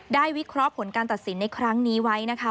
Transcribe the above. วิเคราะห์ผลการตัดสินในครั้งนี้ไว้นะคะ